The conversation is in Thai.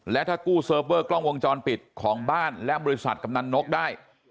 และถ้ากู้เซิร์ฟเวอร์กล้องวงจรปิดของบ้านและบริษัทกำนันนกได้